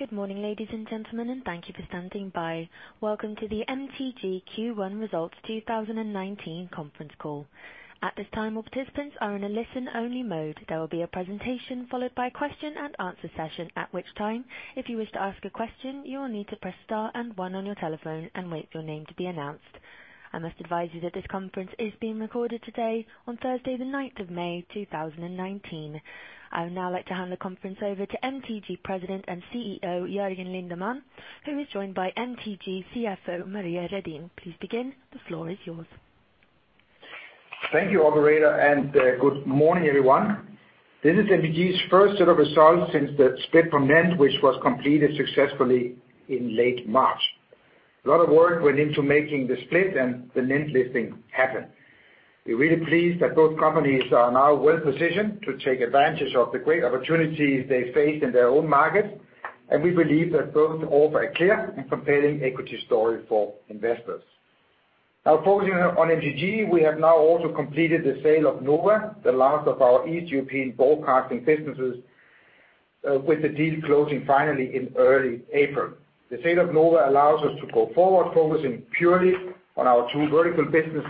Good morning, ladies and gentlemen, and thank you for standing by. Welcome to the MTG Q1 Results 2019 conference call. At this time, all participants are in a listen-only mode. There will be a presentation followed by a question and answer session. At which time, if you wish to ask a question, you will need to press star and one on your telephone and wait for your name to be announced. I must advise you that this conference is being recorded today, on Thursday the ninth of May, 2019. I would now like to hand the conference over to MTG President and CEO, Jørgen Lindemann, who is joined by MTG CFO Maria Redin. Please begin. The floor is yours. Thank you, operator, and good morning, everyone. This is MTG's first set of results since the split from NENT, which was completed successfully in late March. A lot of work went into making the split and the NENT listing happen. We are really pleased that both companies are now well-positioned to take advantage of the great opportunities they face in their own markets, and we believe that both offer a clear and compelling equity story for investors. Now focusing on MTG, we have now also completed the sale of Nova, the last of our Eastern European broadcasting businesses, with the deal closing finally in early April. The sale of Nova allows us to go forward focusing purely on our two vertical business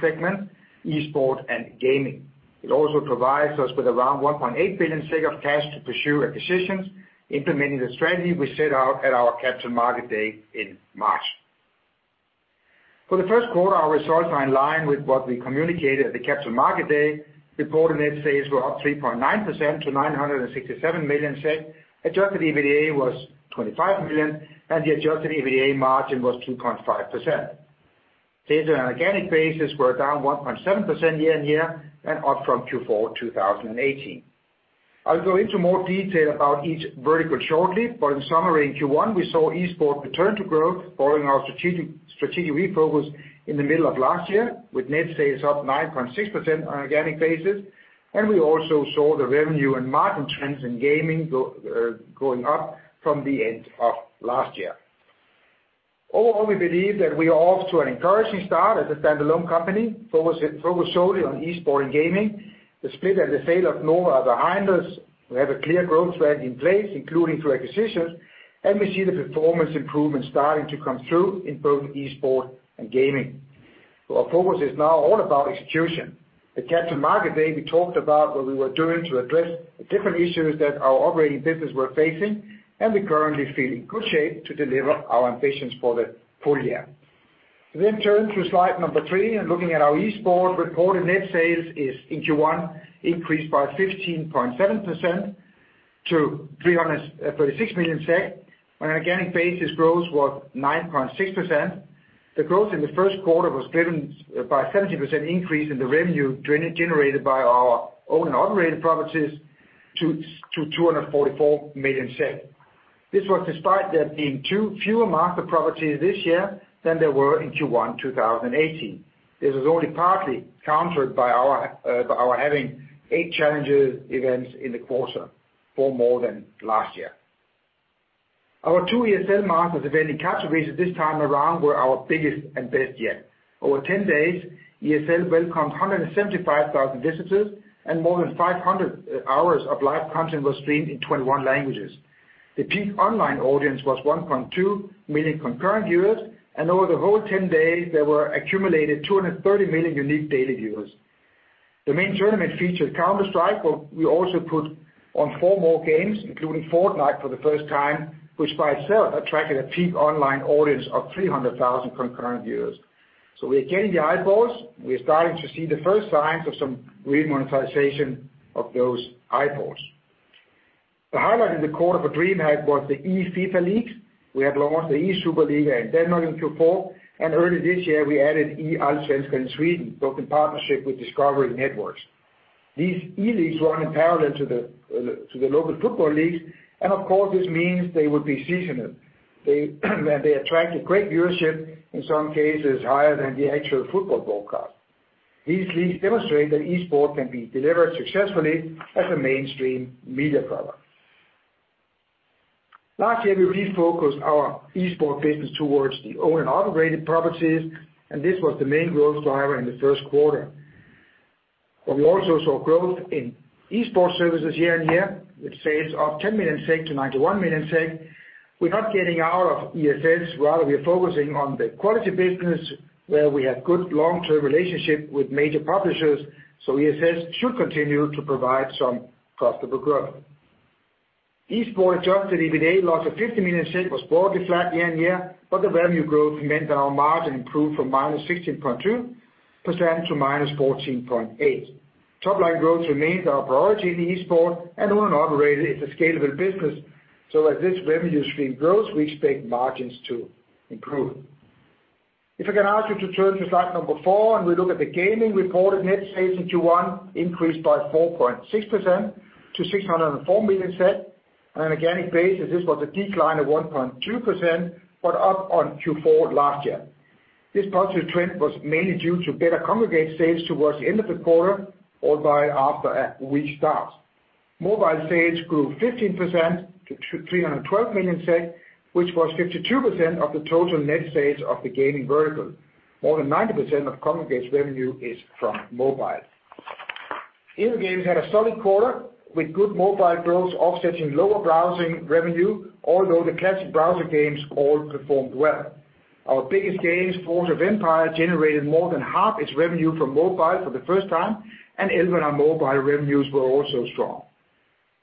segments, esports and gaming. It also provides us with around 1.8 billion of cash to pursue acquisitions, implementing the strategy we set out at our Capital Market Day in March. For the first quarter, our results are in line with what we communicated at the Capital Market Day. Reported net sales were up 3.9% to 967 million. Adjusted EBITDA was 25 million, and the adjusted EBITDA margin was 2.5%. Sales on an organic basis were down 1.7% year-on-year and up from Q4 2018. I will go into more detail about each vertical shortly, but in summary, in Q1, we saw esports return to growth following our strategic refocus in the middle of last year, with net sales up 9.6% on an organic basis, and we also saw the revenue and margin trends in gaming going up from the end of last year. Overall, we believe that we are off to an encouraging start as a standalone company, focused solely on esports and gaming. The split and the sale of Nova are behind us. We have a clear growth strategy in place, including through acquisitions, and we see the performance improvements starting to come through in both esports and gaming. Our focus is now all about execution. At Capital Market Day, we talked about what we were doing to address the different issues that our operating business were facing, and we currently feel in good shape to deliver our ambitions for the full year. We turn to slide number three, and looking at our esports reported net sales is, in Q1, increased by 15.7% to 336 million SEK. On an organic basis, growth was 9.6%. The growth in the first quarter was driven by a 17% increase in the revenue generated by our owned and operated properties to 244 million. This was despite there being fewer master properties this year than there were in Q1 2018. This was only partly countered by our having eight challenges events in the quarter, four more than last year. Our two ESL Masters event in Katowice this time around were our biggest and best yet. Over 10 days, ESL welcomed 175,000 visitors, and more than 500 hours of live content was streamed in 21 languages. The peak online audience was 1.2 million concurrent viewers, and over the whole 10 days, there were accumulated 230 million unique daily users. The main tournament featured Counter-Strike, but we also put on four more games, including Fortnite for the first time, which by itself attracted a peak online audience of 300,000 concurrent users. We are getting the eyeballs. We are starting to see the first signs of some real monetization of those eyeballs. The highlight in the quarter for DreamHack was the eFIFA Leagues. We have launched the eSuperliga in Denmark in Q4, and early this year we added eAllsvenskan in Sweden, both in partnership with Discovery Networks. These e-leagues run in parallel to the local football leagues, of course, this means they will be seasonal. They attract a great viewership, in some cases higher than the actual football broadcast. These leagues demonstrate that esports can be delivered successfully as a mainstream media product. Last year, we refocused our esports business towards the owned and operated properties, this was the main growth driver in the first quarter. We also saw growth in esports services year-on-year, with sales up 10 million to 91 million. We're not getting out of ESS rather, we are focusing on the quality business where we have good long-term relationship with major publishers, ESS should continue to provide some profitable growth. Esports adjusted EBITDA loss of 50 million was broadly flat year-on-year, but the revenue growth meant that our margin improved from -16.2% to -14.8%. Top-line growth remains our priority in the esports, owned and operated is a scalable business, as this revenue stream grows, we expect margins to improve. If I can ask you to turn to slide number four, we look at the gaming reported net sales in Q1 increased by 4.6% to 604 million. On an organic basis, this was a decline of 1.2%, up on Q4 last year. This positive trend was mainly due to better Kongregate sales towards the end of the quarter. Mobile sales grew 15% to 312 million, which was 52% of the total net sales of the gaming vertical. More than 90% of Kongregate's revenue is from mobile. InnoGames had a solid quarter with good mobile growth offsetting lower browsing revenue, although the classic browser games all performed well. Our biggest game, Forge of Empires, generated more than half its revenue from mobile for the first time, and Elvenar mobile revenues were also strong.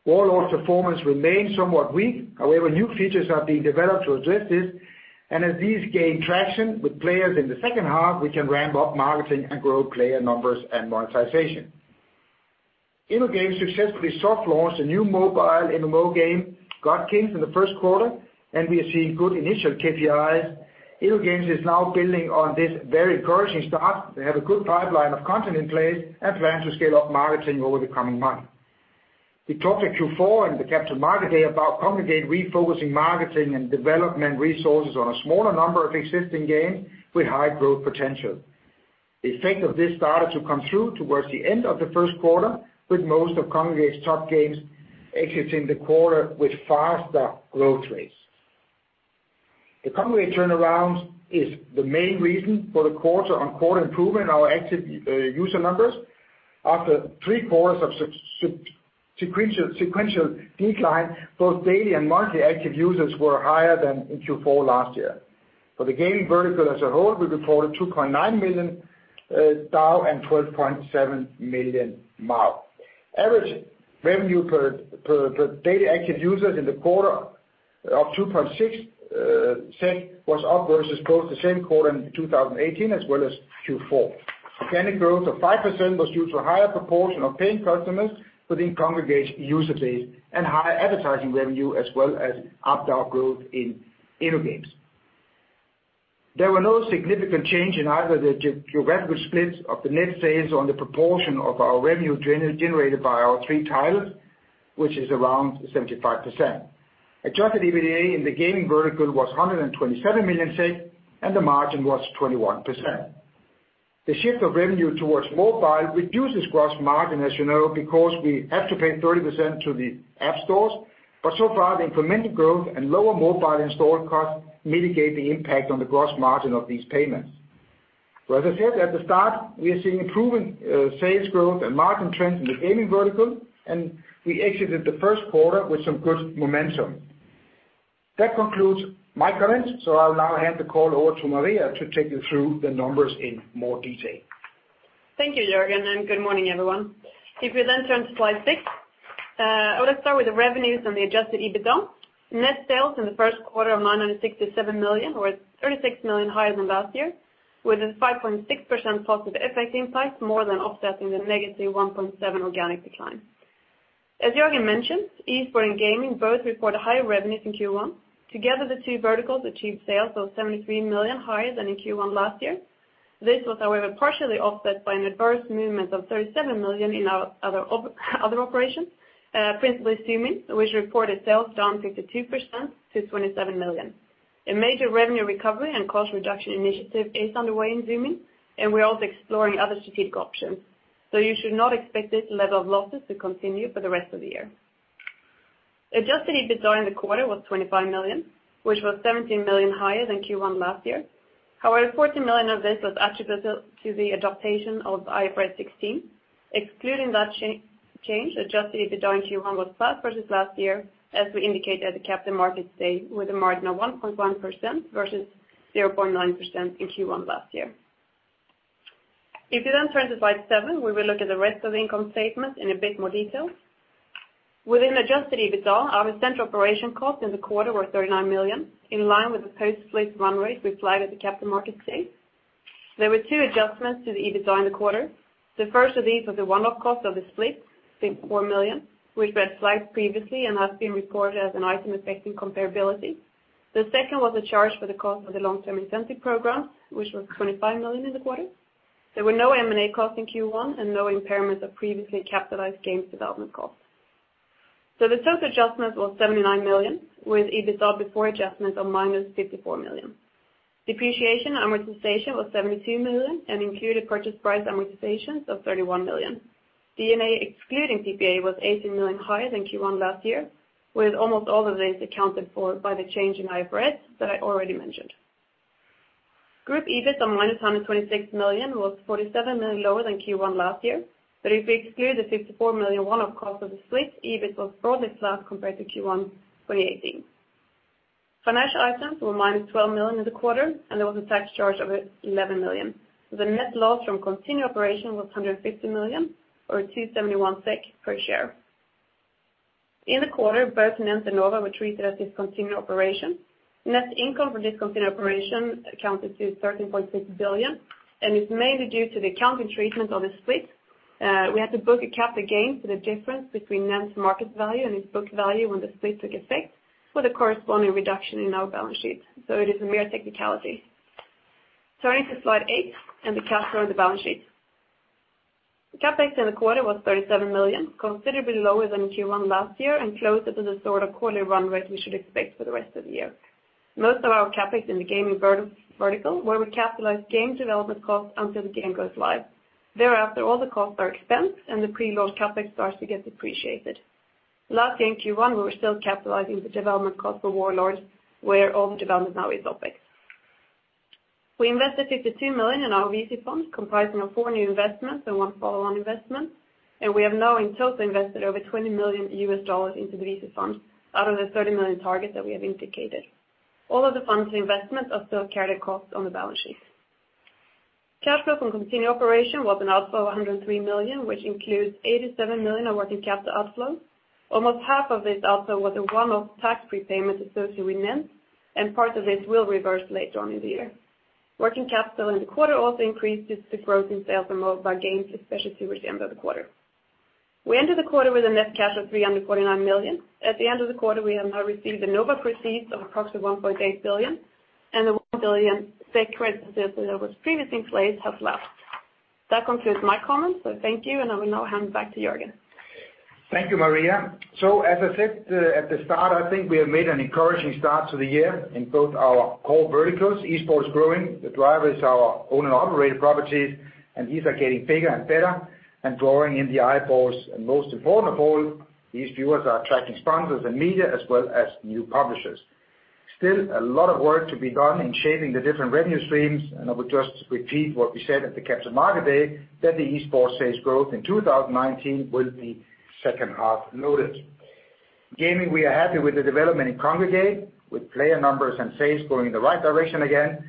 Warlords performance remained somewhat weak. However, new features are being developed to address this, and as these gain traction with players in the second half, we can ramp up marketing and grow player numbers and monetization. InnoGames successfully soft launched a new mobile MMO game, God Kings, in the first quarter, and we are seeing good initial KPIs. InnoGames is now building on this very encouraging start. They have a good pipeline of content in place and plan to scale up marketing over the coming months. We talked at Q4 and the Capital Market Day about Kongregate refocusing marketing and development resources on a smaller number of existing games with high growth potential. The effect of this started to come through towards the end of the first quarter, with most of Kongregate's top games exiting the quarter with faster growth rates. The Kongregate turnaround is the main reason for the quarter-on-quarter improvement in our active user numbers. After three quarters of sequential decline, both daily and monthly active users were higher than in Q4 last year. For the gaming vertical as a whole, we reported 2.9 million DAU and 12.7 million MAU. Average revenue per daily active users in the quarter of 2.6 SEK was up versus both the same quarter in 2018 as well as Q4. Organic growth of 5% was due to a higher proportion of paying customers within Kongregate's user base and higher advertising revenue, as well as up DAU growth in InnoGames. There were no significant change in either the geographic splits of the net sales or the proportion of our revenue generated by our three titles, which is around 75%. Adjusted EBITDA in the gaming vertical was 127 million SEK, and the margin was 21%. The shift of revenue towards mobile reduces gross margin, as you know, because we have to pay 30% to the App Stores. So far, the implemented growth and lower mobile install costs mitigate the impact on the gross margin of these payments. As I said at the start, we are seeing improving sales growth and margin trends in the gaming vertical, and we exited the first quarter with some good momentum. That concludes my comments. I'll now hand the call over to Maria to take you through the numbers in more detail. Thank you, Jørgen, and good morning, everyone. We then turn to slide 6, I want to start with the revenues and the adjusted EBITDA. Net sales in the first quarter of 967 million were 36 million higher than last year, with a 5.6% positive FX impact more than offsetting the negative 1.7% organic decline. As Jørgen mentioned, Esports and Gaming both reported higher revenues in Q1. Together, the two verticals achieved sales of 73 million higher than in Q1 last year. This was, however, partially offset by an adverse movement of 37 million in our other operations, principally Zoomin.TV, which reported sales down 52% to 27 million. A major revenue recovery and cost reduction initiative is underway in Zoomin.TV, and we are also exploring other strategic options. You should not expect this level of losses to continue for the rest of the year. Adjusted EBITDA in the quarter was $25 million, which was $17 million higher than Q1 last year. $14 million of this was attributable to the adaptation of IFRS 16. Excluding that change, adjusted EBITDA in Q1 was flat versus last year, as we indicated at the Capital Markets Day, with a margin of 1.1% versus 0.9% in Q1 last year. Turning to slide seven, we will look at the rest of the income statement in a bit more detail. Within adjusted EBITDA, our central operation costs in the quarter were $39 million, in line with the post-split run rate we flagged at the Capital Markets Day. There were two adjustments to the EBITDA in the quarter. The first of these was the one-off cost of the split, 4 million, which we had flagged previously and has been reported as an item affecting comparability. The second was a charge for the cost of the long-term incentive program, which was $25 million in the quarter. There were no M&A costs in Q1 and no impairment of previously capitalized gains development costs. The total adjustment was $79 million, with EBITDA before adjustments of minus $54 million. Depreciation, amortization was $72 million and included purchase price amortization of $31 million. D&A excluding PPA was $18 million higher than Q1 last year, with almost all of this accounted for by the change in IFRS that I already mentioned. Group EBIT of minus $126 million was $47 million lower than Q1 last year. If we exclude the $54 million one-off cost of the split, EBIT was broadly flat compared to Q1 2018. Financial items were minus $12 million in the quarter, and there was a tax charge of $11 million. The net loss from continuing operations was $150 million, or 271 SEK per share. In the quarter, both NENT and Nova were treated as discontinued operations. Net income for discontinued operations amounted to $13.6 billion and is mainly due to the accounting treatment of the split. We had to book a capital gain for the difference between NENT's market value and its book value when the split took effect with a corresponding reduction in our balance sheet, it is a mere technicality. Turning to slide eight and the cash flow and the balance sheet. CapEx in the quarter was $37 million, considerably lower than in Q1 last year and closer to the sort of quarterly run rate we should expect for the rest of the year. Most of our CapEx in the gaming vertical, where we capitalize game development costs until the game goes live. Thereafter, all the costs are expensed, and the pre-load CapEx starts to get depreciated. Last year in Q1, we were still capitalizing the development cost for Warlords, where all development now is OPEX. We invested €52 million in our VC funds, comprising of four new investments and one follow-on investment, we have now in total invested over $20 million into the VC funds out of the $30 million target that we have indicated. All of the fund investments are still carried a cost on the balance sheet. Cash flow from continuing operations was an outflow of 103 million, which includes 87 million of working capital outflow. Almost half of this outflow was a one-off tax prepayment associated with NENT, part of this will reverse later on in the year. Working capital in the quarter also increased due to the growth in sales and mobile gains, especially towards the end of the quarter. We ended the quarter with a net cash of 349 million. At the end of the quarter, we have now received the Nova proceeds of approximately 1.8 billion, and the 1 billion bank credit facility that was previously in place has left. That concludes my comments. Thank you, and I will now hand back to Jørgen. Thank you, Maria Redin. As I said at the start, I think we have made an encouraging start to the year in both our core verticals. Esports growing, the driver is our owned and operated properties, and these are getting bigger and better and drawing in the eyeballs. Most important of all, these viewers are attracting sponsors and media as well as new publishers. Still, a lot of work to be done in shaping the different revenue streams, and I would just repeat what we said at the Capital Market Day that the Esports sales growth in 2019 will be second half loaded. Gaming, we are happy with the development in Kongregate with player numbers and sales going in the right direction again.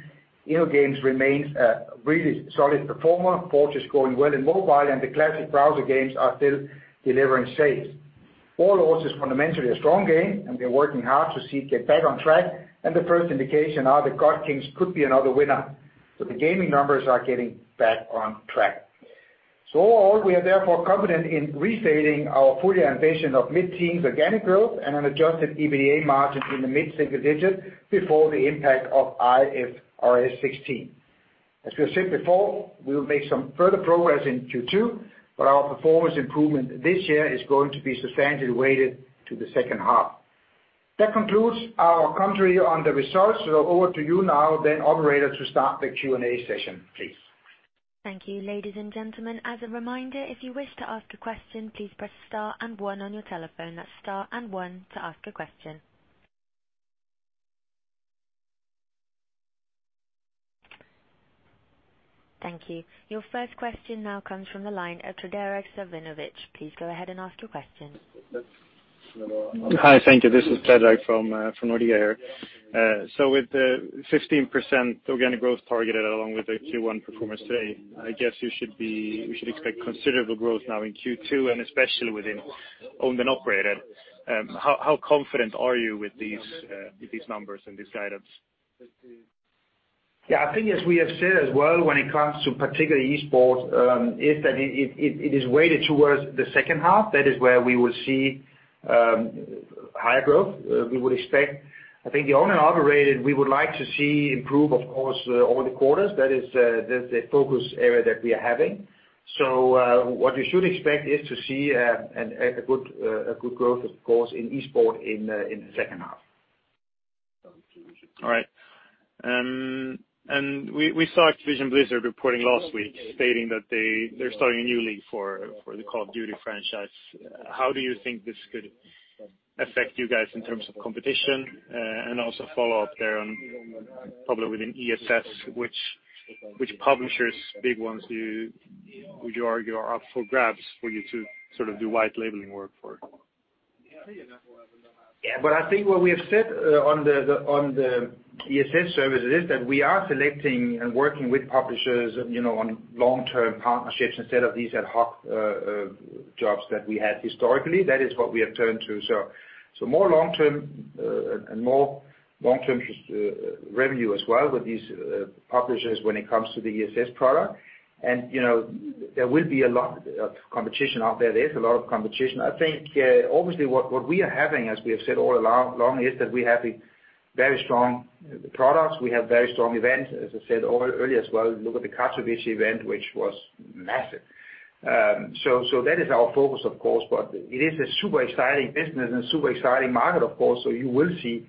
InnoGames remains a really solid performer. Forge is going well in mobile, and the classic browser games are still delivering sales. Warlords is fundamentally a strong game, and we are working hard to see it get back on track, and the first indication are that God Kings could be another winner. The gaming numbers are getting back on track. Overall, we are therefore confident in restating our full-year ambition of mid-teens organic growth and an adjusted EBITDA margin in the mid-single digit before the impact of IFRS 16. As we have said before, we will make some further progress in Q2, but our performance improvement this year is going to be substantially weighted to the second half. That concludes our commentary on the results. Over to you now then operator to start the Q&A session, please. Thank you. Ladies and gentlemen, as a reminder, if you wish to ask a question, please press star and one on your telephone. That's star and one to ask a question. Thank you. Your first question now comes from the line of Frederik Svendsen. Please go ahead and ask your question. Hi. Thank you. This is Frederik from Nordea here. With the 15% organic growth targeted along with the Q1 performance today, I guess we should expect considerable growth now in Q2 and especially within owned and operated. How confident are you with these numbers and these guidance? I think as we have said as well when it comes to particularly Esports, if that it is weighted towards the second half, that is where we will see higher growth. We would expect, I think the owned and operated, we would like to see improve, of course, over the quarters. That is the focus area that we are having. What you should expect is to see a good growth of course, in Esports in the second half. All right. We saw Activision Blizzard reporting last week stating that they're starting a new league for the Call of Duty franchise. How do you think this could affect you guys in terms of competition? Also follow up there on probably within ESS, which publishers, big ones, would you argue are up for grabs for you to sort of do white labeling work for? I think what we have said on the ESS services is that we are selecting and working with publishers on long-term partnerships instead of these ad hoc jobs that we had historically. That is what we have turned to. More long-term and more long-term revenue as well with these publishers when it comes to the ESS product. There will be a lot of competition out there. There is a lot of competition. I think, obviously what we are having, as we have said all along, is that we have a very strong products. We have very strong events. As I said earlier as well, look at the Katowice event, which was massive. That is our focus, of course, but it is a super exciting business and super exciting market, of course. You will see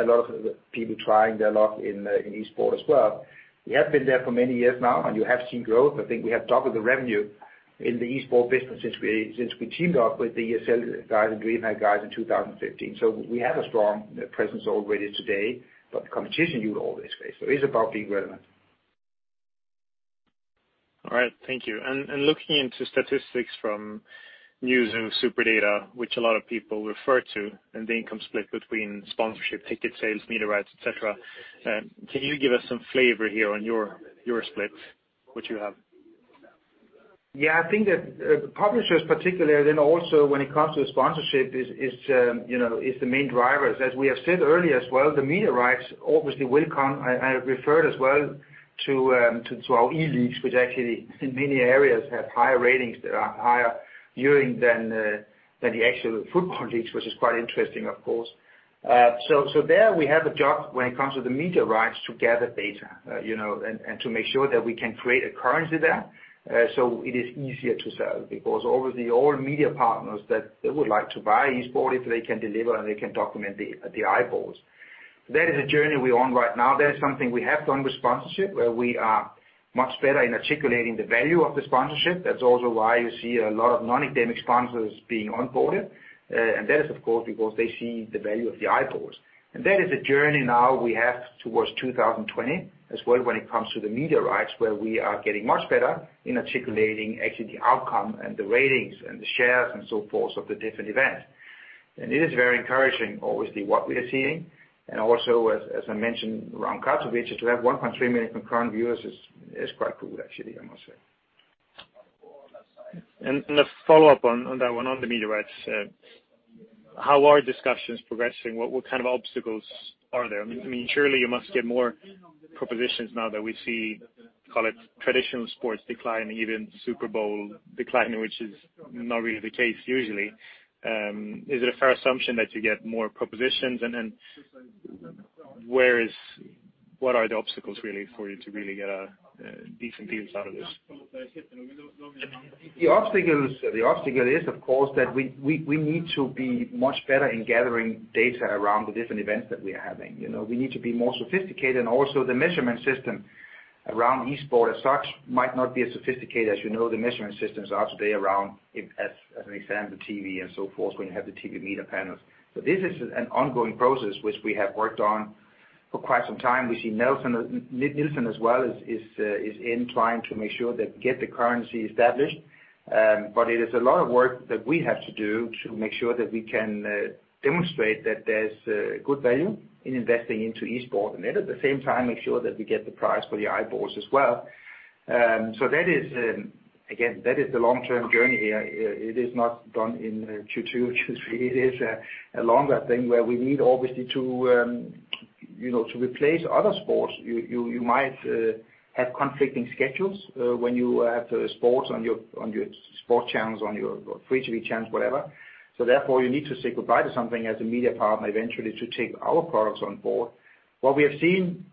a lot of people trying their luck in esports as well. We have been there for many years now, and you have seen growth. I think we have doubled the revenue in the esports business since we teamed up with the ESL guys and DreamHack guys in 2015. We have a strong presence already today. Competition, you will always face, so it is about being relevant. All right. Thank you. Looking into statistics from Newzoo SuperData, which a lot of people refer to, and the income split between sponsorship, ticket sales, media rights, et cetera, can you give us some flavor here on your split, what you have? Yeah, I think that publishers particularly then also when it comes to sponsorship is the main drivers. As we have said earlier as well, the media rights obviously will come. I referred as well to our ELeague, which actually in many areas have higher ratings that are higher viewing than the actual football leagues, which is quite interesting of course. There we have a job when it comes to the media rights to gather data and to make sure that we can create a currency there so it is easier to sell. Obviously all media partners that they would like to buy esports if they can deliver and they can document the eyeballs. That is a journey we are on right now. That is something we have done with sponsorship, where we are much better in articulating the value of the sponsorship. That's also why you see a lot of non-endemic sponsors being onboarded, and that is, of course, because they see the value of the eyeballs. That is a journey now we have towards 2020 as well, when it comes to the media rights, where we are getting much better in articulating actually the outcome and the ratings and the shares and so forth of the different events. It is very encouraging, obviously, what we are seeing. Also, as I mentioned around Katowice, to have 1.3 million concurrent viewers is quite cool, actually, I must say. A follow-up on that one, on the media rights. How are discussions progressing? What kind of obstacles are there? Surely you must get more propositions now that we see, call it traditional sports decline, even Super Bowl declining, which is not really the case usually. Is it a fair assumption that you get more propositions, and then what are the obstacles really for you to really get a decent piece out of this? The obstacle is, of course, that we need to be much better in gathering data around the different events that we are having. We need to be more sophisticated, and also the measurement system around esports as such might not be as sophisticated as you know the measurement systems are today around, as an example, TV and so forth, when you have the TV media panels. This is an ongoing process which we have worked on for quite some time. We see Nielsen as well is in trying to make sure that we get the currency established. It is a lot of work that we have to do to make sure that we can demonstrate that there's good value in investing into esports, and yet at the same time, make sure that we get the price for the eyeballs as well. That is, again, that is the long-term journey here. It is not done in Q2, Q3. It is a longer thing where we need obviously to replace other sports. You might have conflicting schedules when you have sports on your sports channels, on your free TV channels, whatever. Therefore, you need to say goodbye to something as a media partner eventually to take our products on board. What we have seen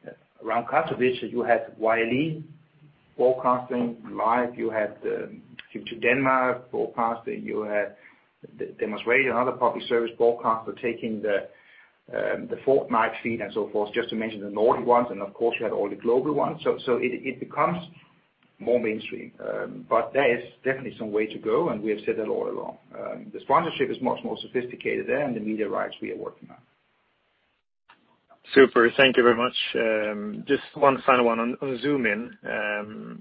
around Katowice, you had Yle broadcasting live, you had TV Denmark broadcast, you had Danish Radio, another public service broadcaster, taking the Fortnite feed and so forth, just to mention the Nordic ones, and of course, you had all the global ones. It becomes more mainstream. There is definitely some way to go, and we have said that all along. The sponsorship is much more sophisticated there than the media rights we are working on. Super. Thank you very much. Just one final one on Zoomin.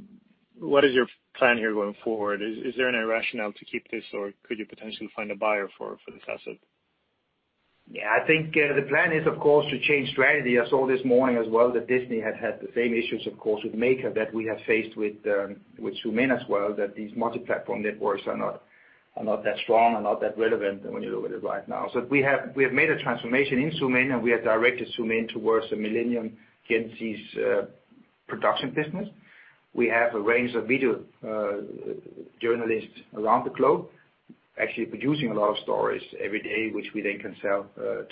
What is your plan here going forward? Is there any rationale to keep this, or could you potentially find a buyer for this asset? Yeah, I think the plan is, of course, to change strategy. I saw this morning as well that Disney had the same issues, of course, with Maker that we have faced with Zoomin as well, that these multi-platform networks are not that strong, are not that relevant when you look at it right now. We have made a transformation in Zoomin, and we have directed Zoomin towards the []millennial/Gen Z] production business. We have a range of video journalists around the globe actually producing a lot of stories every day, which we then can sell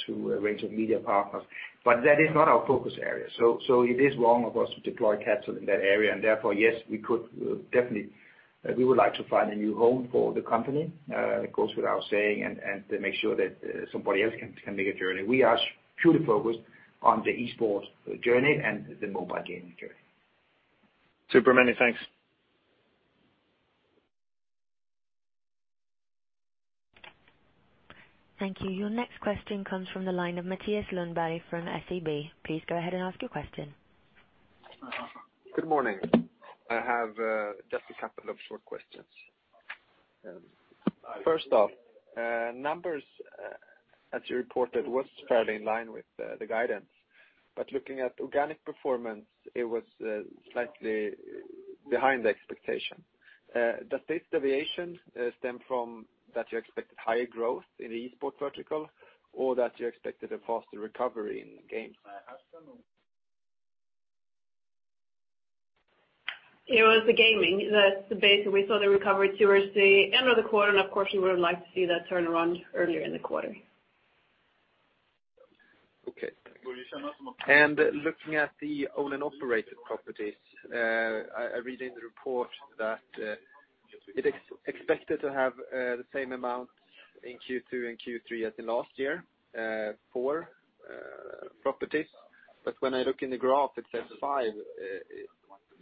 to a range of media partners. That is not our focus area. It is wrong of us to deploy capital in that area, and therefore, yes, we would like to find a new home for the company. It goes without saying, and to make sure that somebody else can make a journey. We are purely focused on the esports journey and the mobile gaming journey. Super. Many thanks. Thank you. Your next question comes from the line of Mattias Lundberg from SEB. Please go ahead and ask your question. Good morning. I have just a couple of short questions. First off, numbers, as you reported, was fairly in line with the guidance. Looking at organic performance, it was slightly behind the expectation. Does this deviation stem from that you expected higher growth in the esports vertical, or that you expected a faster recovery in games? It was the gaming. That's the base. We saw the recovery towards the end of the quarter. Of course, we would have liked to see that turn around earlier in the quarter. Okay. Looking at the owned and operated properties, I read in the report that it is expected to have the same amount in Q2 and Q3 as in last year, four properties. When I look in the graph, it says five.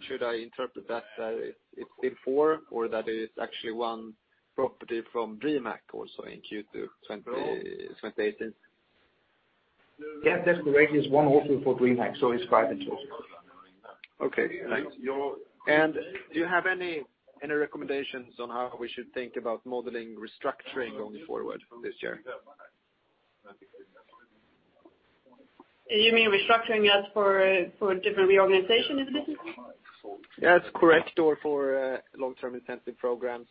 Should I interpret that it's still four, or that it is actually one property from DreamHack also in Q2 2018? Yeah, that's correct. It's one also for DreamHack. It's five in total. Okay, thanks. Do you have any recommendations on how we should think about modeling restructuring going forward this year? You mean restructuring as for different reorganization in the business? Yeah, that's correct. For Long-Term Incentive programs.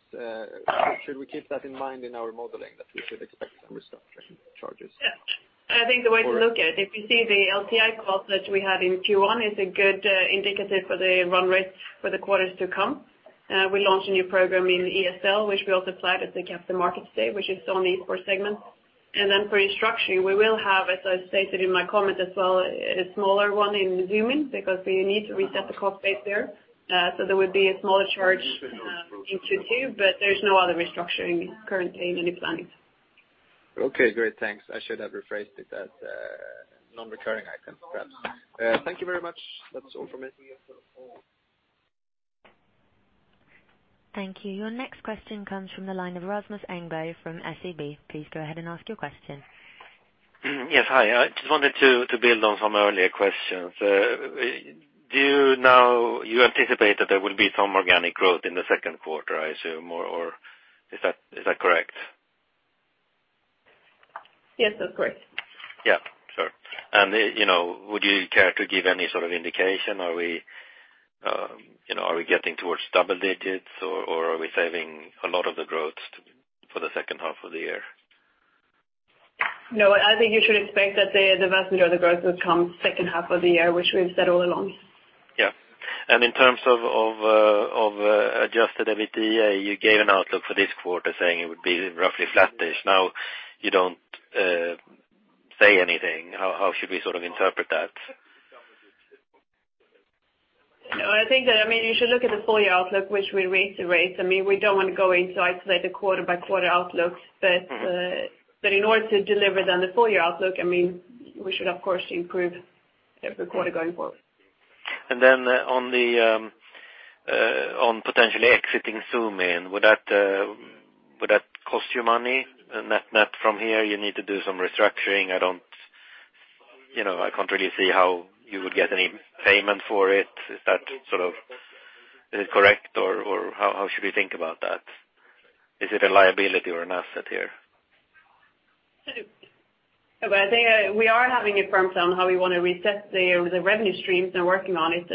Should we keep that in mind in our modeling, that we should expect some restructuring charges? Yeah. I think the way to look at it, if you see the LTI cost that we had in Q1 is a good indicator for the run rate for the quarters to come. We launched a new program in ESL, which we also flagged at the Capital Markets Day, which is on the esports segment. For restructuring, we will have, as I stated in my comment as well, a smaller one in Zoomin, because we need to reset the cost base there. There will be a smaller charge in Q2, but there is no other restructuring currently in any planning. Okay, great. Thanks. I should have rephrased it as non-recurring items, perhaps. Thank you very much. That's all from me. Thank you. Your next question comes from the line of Rasmus Engberg from SEB. Please go ahead and ask your question. Yes, hi. I just wanted to build on some earlier questions. Do you now anticipate that there will be some organic growth in the second quarter, I assume, or is that correct? Yes, that's correct. Yeah, sure. Would you care to give any sort of indication? Are we getting towards double digits, or are we saving a lot of the growth for the second half of the year? No, I think you should expect that the vast majority of the growth will come second half of the year, which we've said all along. Yeah. In terms of adjusted EBITDA, you gave an outlook for this quarter saying it would be roughly flat-ish. Now you don't say anything. How should we interpret that? No, I think that you should look at the full-year outlook, which we raised. We don't want to go into isolated quarter-by-quarter outlooks. In order to deliver on the full-year outlook, we should, of course, improve every quarter going forward. On potentially exiting Zoomin.TV, would that cost you money net from here? You need to do some restructuring. I can't really see how you would get any payment for it. Is it correct, or how should we think about that? Is it a liability or an asset here? We are having a firm plan how we want to reset the revenue streams and are working on it.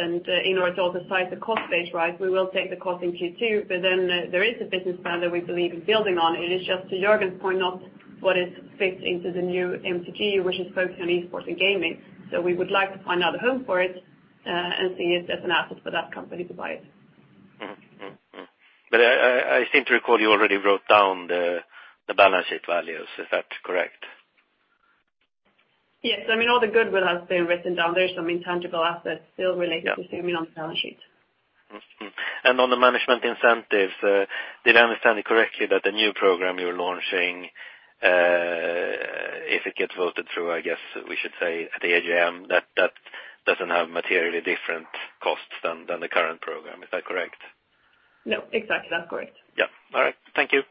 In order to offset the cost base rise, we will take the cost in Q2, there is a business plan that we believe in building on. It is just to Jørgen's point not what is fit into the new MTG, which is focusing on esports and gaming. We would like to find another home for it and see it as an asset for that company to buy it. I seem to recall you already wrote down the balance sheet values. Is that correct? Yes. All the goodwill has been written down. There are some intangible assets still related to Zoomin.TV on the balance sheet. Did I understand it correctly that the new program you're launching, if it gets voted through, I guess we should say at the AGM, that doesn't have materially different costs than the current program. Is that correct? No, exactly. That's correct. Yeah. All right. Thank you.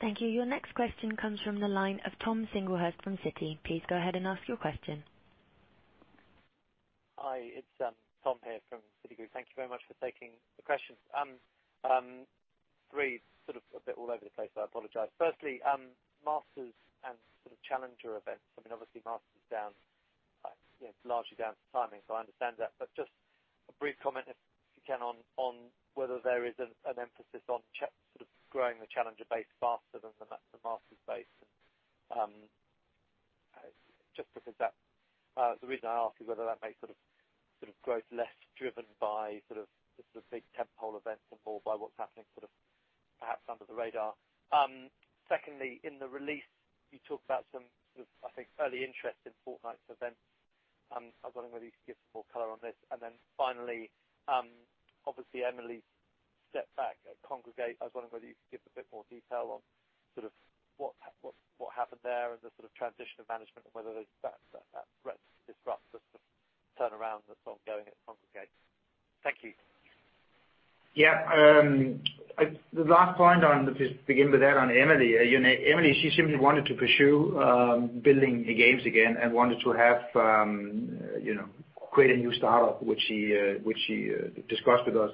Thank you. Your next question comes from the line of Tom Singlehurst from Citi. Please go ahead and ask your question. Hi, it's Tom here from Citigroup. Thank you very much for taking the questions. Three, sort of a bit all over the place, so I apologize. Firstly, Masters and sort of Challenger events. Obviously, Masters is largely down to timing, so I understand that. Just a brief comment, if you can, on whether there is an emphasis on growing the Challenger base faster than the Masters base. The reason I ask is whether that makes growth less driven by the sort of big tentpole events and more by what's happening perhaps under the radar. Secondly, in the release, you talked about some, I think, early interest in Fortnite events. I was wondering whether you could give some more color on this. Finally, obviously Emily stepped back at Kongregate. I was wondering whether you could give us a bit more detail on what happened there and the transition of management and whether that threatens to disrupt the turnaround that's ongoing at Kongregate. Thank you. The last point, I'll just begin with that on Emily. Emily, she simply wanted to pursue building games again and wanted to create a new startup, which she discussed with us.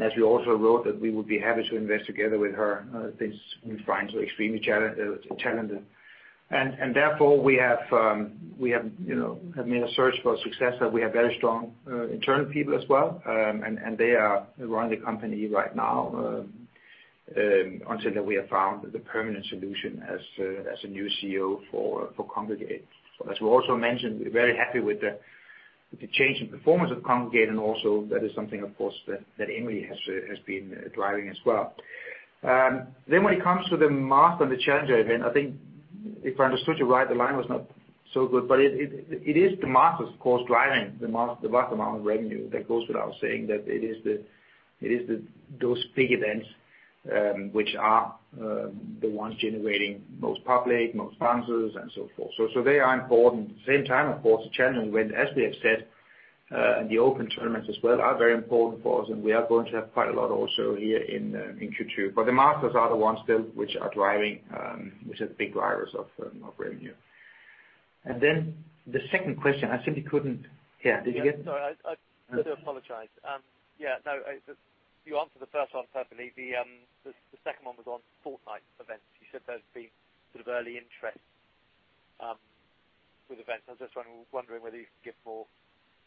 As we also wrote, that we would be happy to invest together with her in things we find extremely challenging. Therefore, we have made a search for success, that we have very strong internal people as well, and they are running the company right now until we have found the permanent solution as a new CEO for Kongregate. As we also mentioned, we're very happy with the change in performance of Kongregate, also that is something, of course, that Emily has been driving as well. When it comes to the Masters and the Challenger event, I think if I understood you right, the line was not so good, it is the Masters, of course, driving the vast amount of revenue. That goes without saying, that it is those big events which are the ones generating most public, most sponsors, and so forth. They are important. At the same time, of course, the Challenger event, as we have said, the open tournaments as well are very important for us, and we are going to have quite a lot also here in Q2. The Masters are the ones still which are the big drivers of revenue. The second question, I simply couldn't hear. Did you get- Sorry, I do apologize. Yeah, no, you answered the first one perfectly. The second one was on Fortnite events. You said there's been sort of early interest with events. I was just wondering whether you could give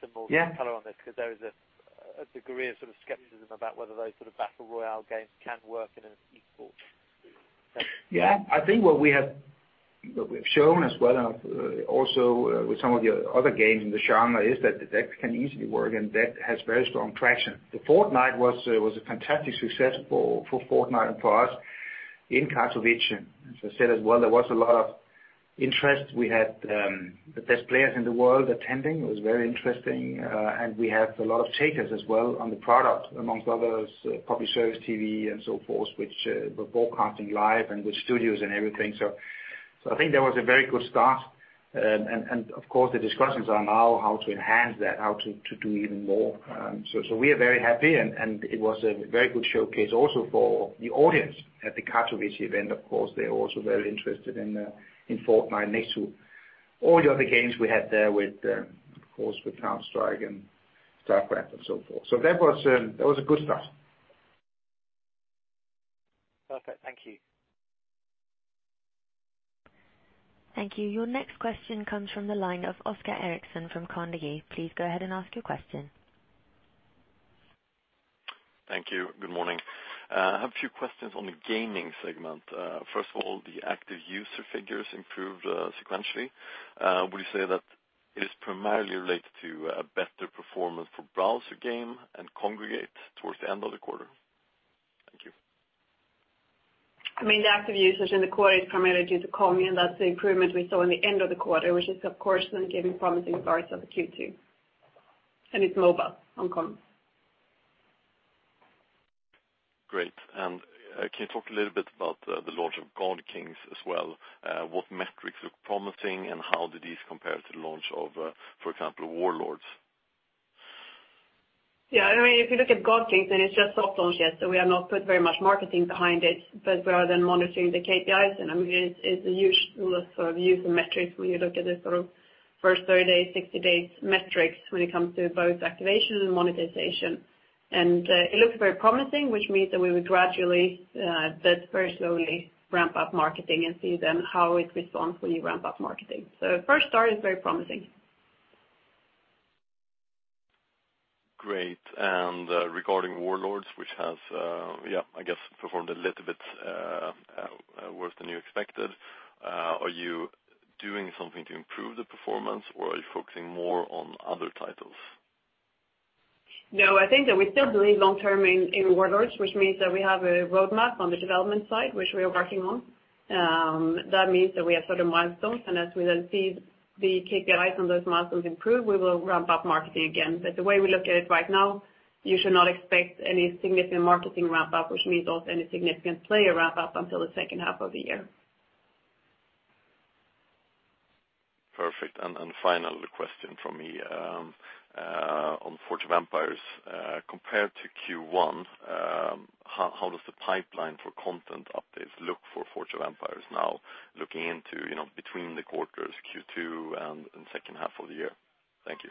some more color on this, because there is a degree of skepticism about whether those Battle Royale games can work in an esports sense. I think what we have shown as well, and also with some of the other games in the genre, is that can easily work, and that has very strong traction. The Fortnite was a fantastic success for Fortnite and for us in Katowice. As I said as well, there was a lot of interest. We had the best players in the world attending, it was very interesting. We had a lot of takers as well on the product, amongst others, public service TV and so forth, which were broadcasting live and with studios and everything. I think that was a very good start. Of course, the discussions are now how to enhance that, how to do even more. We are very happy, and it was a very good showcase also for the audience at the Katowice event. Of course, they are also very interested in Fortnite next to all the other games we had there, with Counter-Strike and StarCraft and so forth. That was a good start. Perfect. Thank you. Thank you. Your next question comes from the line of Oskar Eriksson from Carnegie. Please go ahead and ask your question. Thank you. Good morning. I have a few questions on the gaming segment. First of all, the active user figures improved sequentially. Would you say that it is primarily related to a better performance for browser game and Kongregate towards the end of the quarter? Thank you. I mean, the active users in the quarter is primarily due to Kong, that's the improvement we saw in the end of the quarter, which is of course then giving promising starts of Q2. It's mobile on Kong. Great. Can you talk a little bit about the launch of God Kings as well? What metrics look promising and how did these compare to the launch of, for example, Warlords? Yeah, if you look at God Kings, then it's just soft launch yet, so we have not put very much marketing behind it. We are then monitoring the KPIs, and it's the usual sort of user metrics when you look at the sort of first 30 days, 60 days metrics when it comes to both activation and monetization. It looks very promising, which means that we will gradually, but very slowly, ramp up marketing and see then how it responds when you ramp up marketing. First start is very promising. Great. Regarding Warlords, which has, I guess, performed a little bit worse than you expected. Are you doing something to improve the performance, or are you focusing more on other titles? No, I think that we still believe long term in Warlords, which means that we have a roadmap on the development side, which we are working on. That means that we have certain milestones, and as we then see the KPIs on those milestones improve, we will ramp up marketing again. The way we look at it right now, you should not expect any significant marketing ramp up, which means also any significant player ramp up until the second half of the year. Perfect. Final question from me. On Forge of Empires, compared to Q1, how does the pipeline for content updates look for Forge of Empires now looking into between the quarters, Q2 and second half of the year? Thank you.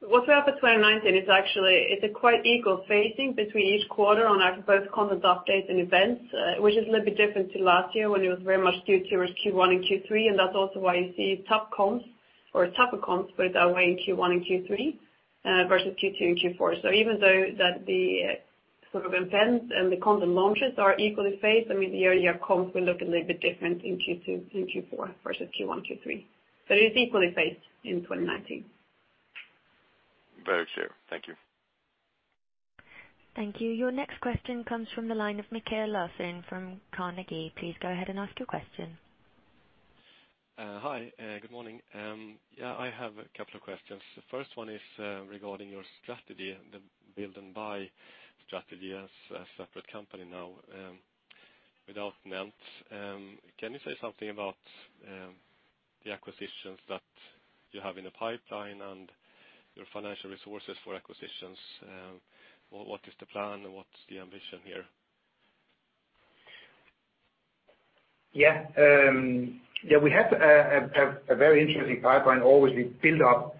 What we have for 2019 is actually quite equal phasing between each quarter on both content updates and events, which is a little bit different to last year when it was very much Q2 versus Q1 and Q3, and that is also why you see tougher comps, but that way in Q1 and Q3 versus Q2 and Q4. Even though that the sort of events and the content launches are equally phased, the year-on-year comps will look a little bit different in Q2 and Q4 versus Q1, Q3. But it is equally phased in 2019. Very clear. Thank you. Thank you. Your next question comes from the line of Mikael Larsson from Carnegie. Please go ahead and ask your question. Hi, good morning. I have a couple of questions. The first one is regarding your strategy, the build and buy strategy as a separate company now without NENT. Can you say something about the acquisitions that you have in the pipeline and your financial resources for acquisitions? What is the plan and what is the ambition here? Yeah. We have a very interesting pipeline, always we build up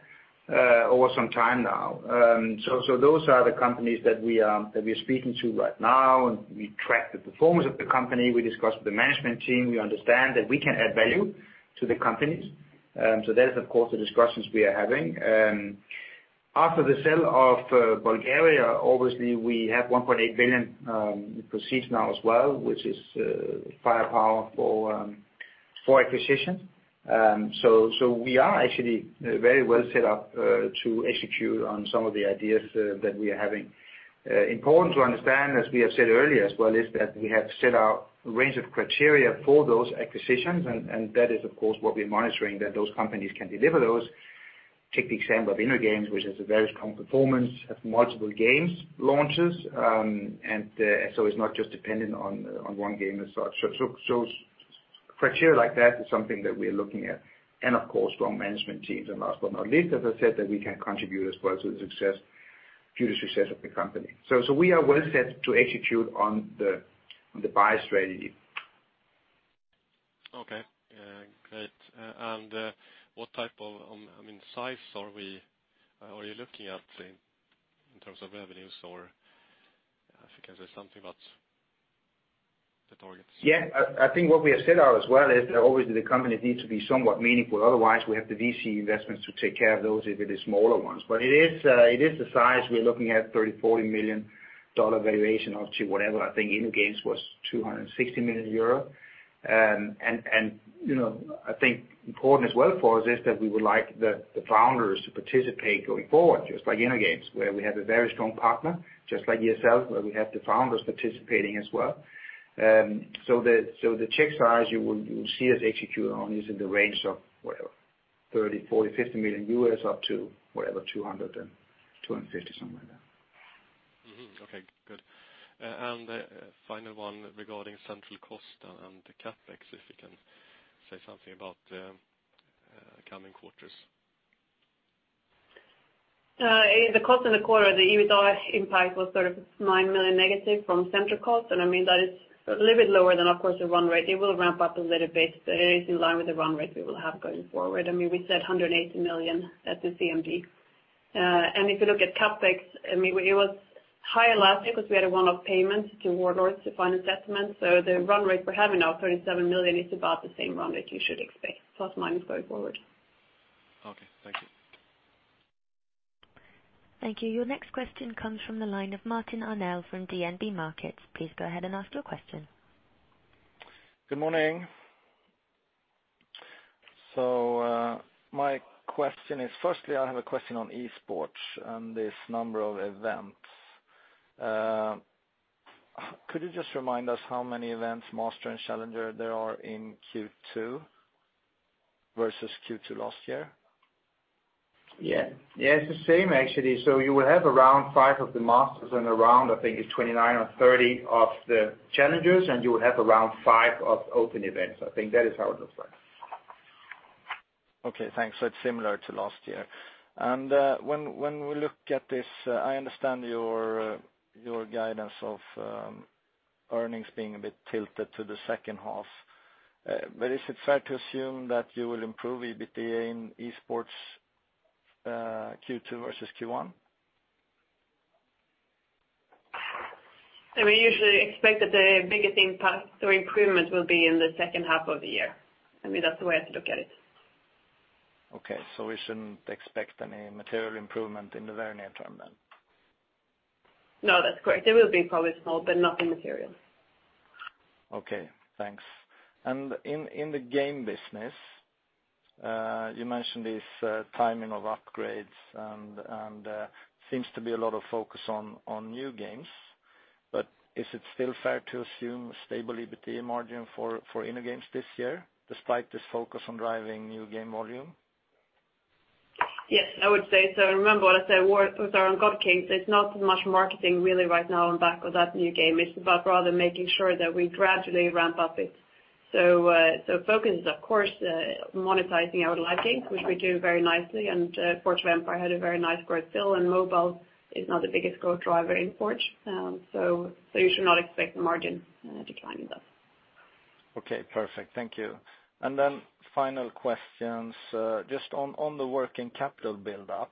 over some time now. Those are the companies that we are speaking to right now, and we track the performance of the company. We discuss with the management team. We understand that we can add value to the companies. That is, of course, the discussions we are having. After the sale of Bulgaria, obviously, we have 1.8 billion in proceeds now as well, which is firepower for acquisition. We are actually very well set up to execute on some of the ideas that we are having. Important to understand, as we have said earlier as well, is that we have set out a range of criteria for those acquisitions, and that is, of course, what we're monitoring, that those companies can deliver those. Take the example of InnoGames, which has a very strong performance, have multiple games launches, and it's not just dependent on one game as such. Criteria like that is something that we are looking at, and of course, strong management teams. Last but not least, as I said, that we can contribute as well to the success, future success of the company. We are well set to execute on the buy strategy. Okay. Great. What type of size are you looking at in terms of revenues, or if you can say something about the targets? Yeah. I think what we have said as well is that obviously the company needs to be somewhat meaningful, otherwise we have the VC investments to take care of those if it is smaller ones. It is the size we are looking at, $30 million, $40 million valuation up to whatever. I think InnoGames was €260 million. I think important as well for us is that we would like the founders to participate going forward, just like InnoGames, where we have a very strong partner, just like ESL, where we have the founders participating as well. The check size you will see us execute on is in the range of whatever $30 million, $40 million, $50 million U.S. up to whatever, $200 million and $250 million, something like that. Mm-hmm. Okay, good. Final one regarding central cost and the CapEx, if you can say something about the coming quarters. In the cost of the quarter, the EBITDA impact was sort of 9 million SEK negative from central cost, that is a little bit lower than, of course, the run rate. It will ramp up a little bit, but it is in line with the run rate we will have going forward. We said 180 million at the CMD. If you look at CapEx, it was high last year because we had a one-off payment to Warlords to finance settlement. The run rate we are having now, 37 million, is about the same run rate you should expect plus or minus going forward. Okay, thank you. Thank you. Your next question comes from the line of Martin Arnell from DNB Markets. Please go ahead and ask your question. Good morning. My question is, firstly, I have a question on esports and this number of events. Could you just remind us how many events Master and Challenger there are in Q2 versus Q2 last year? Yeah. It's the same actually. You will have around five of the Masters and around, I think it's 29 or 30 of the Challengers, and you will have around five of open events. I think that is how it looks like. Okay, thanks. It's similar to last year. When we look at this, I understand your guidance of earnings being a bit tilted to the second half. Is it fair to assume that you will improve EBITDA in esports Q2 versus Q1? We usually expect that the biggest impact or improvement will be in the second half of the year. I mean, that's the way I'd look at it. Okay. We shouldn't expect any material improvement in the very near term then? No, that's correct. There will be probably small, but not immaterial. Okay, thanks. In the game business, you mentioned this timing of upgrades and seems to be a lot of focus on new games, but is it still fair to assume stable EBITDA margin for InnoGames this year, despite this focus on driving new game volume? Yes, I would say so. Remember what I said with our God Kings, there's not much marketing really right now on the back of that new game. It's about rather making sure that we gradually ramp up it. Focus is, of course, monetizing our live games, which we do very nicely, and Forge of Empires had a very nice growth still, and mobile is now the biggest growth driver in Forge. You should not expect the margin to decline in that. Okay, perfect. Thank you. Final questions, just on the working capital build-up,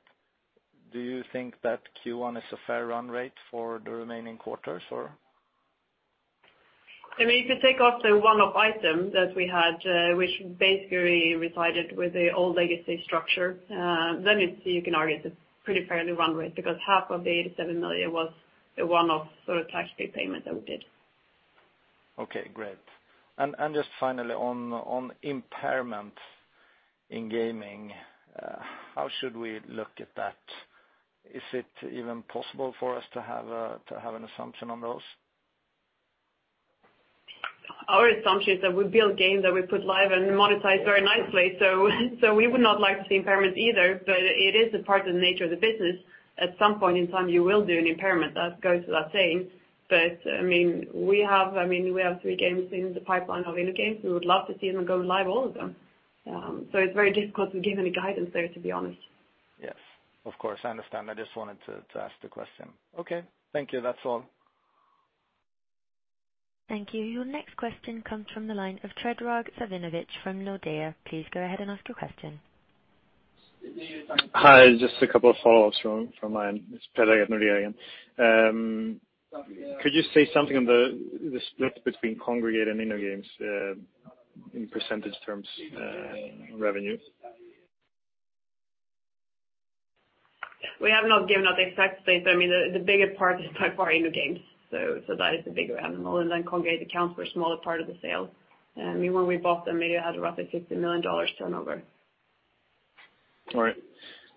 do you think that Q1 is a fair run rate for the remaining quarters, or? If you take off the one-off item that we had, which basically resided with the old legacy structure, then you can argue it's a pretty fair run rate because half of the 87 million was a one-off sort of taxpayer payment that we did. Okay, great. Just finally on impairment in gaming, how should we look at that? Is it even possible for us to have an assumption on those? Our assumption is that we build games that we put live and monetize very nicely. We would not like to see impairment either, but it is a part of the nature of the business. At some point in time, you will do an impairment, that goes without saying. We have three games in the pipeline of InnoGames. We would love to see them go live, all of them. It's very difficult to give any guidance there, to be honest. Yes, of course. I understand. I just wanted to ask the question. Okay. Thank you, that's all. Thank you. Your next question comes from the line of Predrag Savinovic from Nordea. Please go ahead and ask your question. Hi, just a couple of follow-ups from mine. It's Predrag at Nordea again. Could you say something on the split between Kongregate and InnoGames in % terms revenue? We have not given out the exact split. The biggest part is by far InnoGames, so that is the bigger animal, and then Kongregate accounts for a smaller part of the sale. When we bought them, they had a roughly SEK 50 million turnover.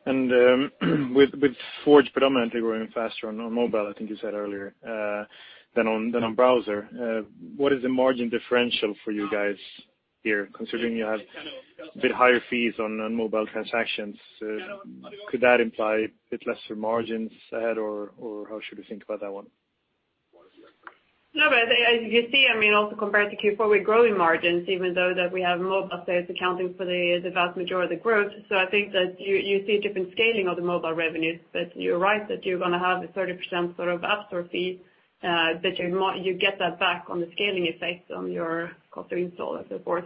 With Forge predominantly growing faster on mobile, I think you said earlier, than on browser, what is the margin differential for you guys here, considering you have a bit higher fees on mobile transactions? Could that imply a bit lesser margins ahead or how should we think about that one? No, as you see, also compared to Q4, we're growing margins, even though that we have mobile sales accounting for the vast majority of the growth. I think that you see a different scaling of the mobile revenues, you're right that you're going to have a 30% sort of App Store fee, you get that back on the scaling effects on your cost to install and so forth.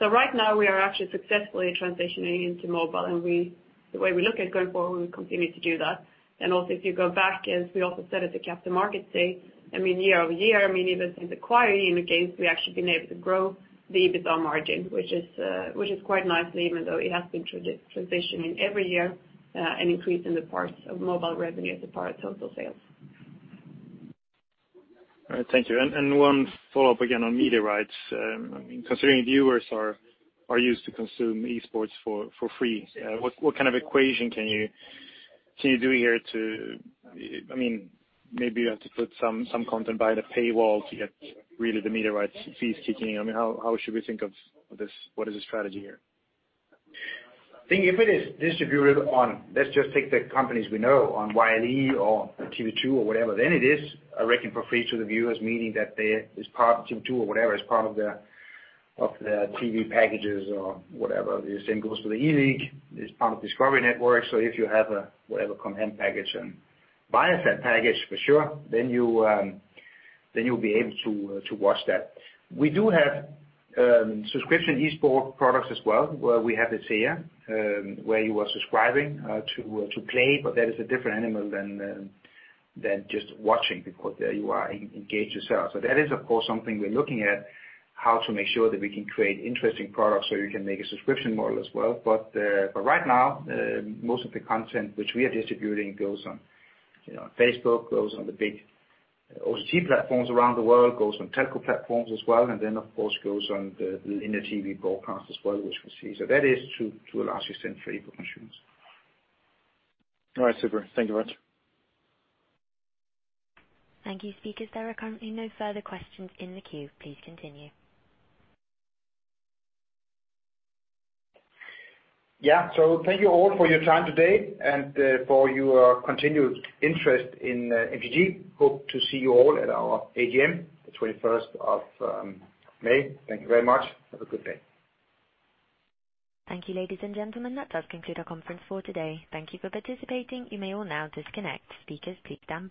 Right now, we are actually successfully transitioning into mobile, the way we look at it going forward, we continue to do that. Also if you go back, as we also said at the capital market stage, year-over-year, even since acquiring InnoGames, we've actually been able to grow the EBITDA margin, which is quite nice even though it has been transitioning every year, an increase in the parts of mobile revenue as a part of total sales. All right, thank you. One follow-up again on media rights. Considering viewers are used to consume esports for free, what kind of equation can you do here to maybe you have to put some content behind a paywall to get really the media rights fees kicking in. How should we think of this? What is the strategy here? I think if it is distributed on, let's just take the companies we know, on Yle or TV 2 or whatever, then it is, I reckon, for free to the viewers, meaning that TV 2 or whatever is part of the TV packages or whatever. The same goes for ELeague, it's part of Discovery Networks. If you have a, whatever, content package and buy that package, for sure, then you'll be able to watch that. We do have subscription esports products as well, where we have it here, where you are subscribing to play, but that is a different animal than just watching because there you are engaged yourself. That is, of course, something we're looking at, how to make sure that we can create interesting products so you can make a subscription model as well. Right now, most of the content which we are distributing goes on Facebook, goes on the big OTT platforms around the world, goes on telco platforms as well, and then of course, goes on the linear TV broadcast as well, which we see. That is to a large extent free for consumers. All right, super. Thank you very much. Thank you, speakers. There are currently no further questions in the queue. Please continue. Yeah. Thank you all for your time today and for your continued interest in MTG. Hope to see you all at our AGM, the 21st of May. Thank you very much. Have a good day. Thank you, ladies and gentlemen. That does conclude our conference for today. Thank you for participating. You may all now disconnect. Speakers, please disconnect.